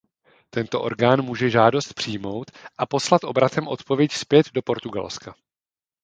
Tento orgán může žádost přijmout a poslat obratem odpověď zpět do Portugalska.